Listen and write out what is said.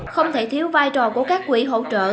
không thể thiếu vai trò của các quỹ hỗ trợ